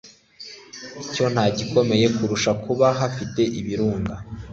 Icyo ntigikomeye kurusha kuba hafite ibirunga